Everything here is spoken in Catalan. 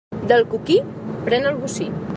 Del coquí, pren el bocí.